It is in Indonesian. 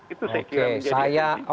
itu saya kira menjadi yang penting